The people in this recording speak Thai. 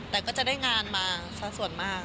แต่ก็จะได้งานมาสักส่วนมาก